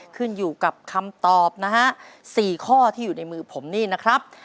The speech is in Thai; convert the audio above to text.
ขึ้นอยู่กับคำตอบนะฮะ๔ข้อที่อยู่ในมือผมนี่นะครับ